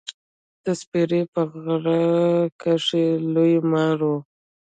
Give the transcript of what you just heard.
د سپرې په غره کښي لوی مار و.